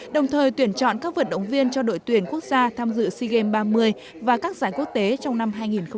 đồng thời tuyển chọn các vận động viên cho đội tuyển quốc gia tham dự sea games ba mươi và các giải quốc tế trong năm hai nghìn hai mươi